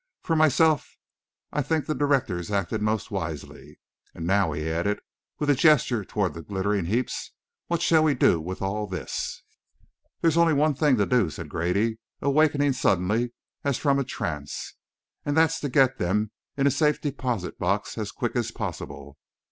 For myself, I think the directors acted most wisely. And now," he added, with a gesture toward the glittering heaps, "what shall we do with all this?" "There's only one thing to do," said Grady, awaking suddenly as from a trance, "and that's to get them in a safe deposit box as quick as possible.